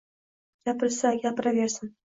— Gapirsa-gapiraversin!